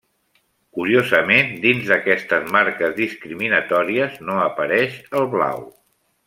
Curiosament dins d'aquestes marques discriminatòries no apareix el blau.